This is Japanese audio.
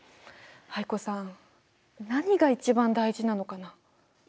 藍子さん何が一番大事なのかな？